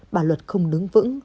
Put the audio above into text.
bà luật không đứng vững